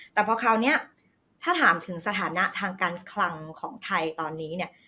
แต่พอคราวนี้ถ้าถามถึงสถานะทางการคลังของไทยตอนนี้เนี่ย